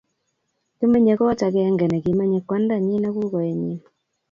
kimenyei koot agenge nekimenyei kwandanyin ak kukoenyin